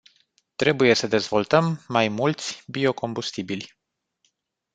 Trebuie să dezvoltăm mai mulți biocombustibili.